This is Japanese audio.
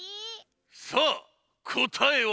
さあこたえは？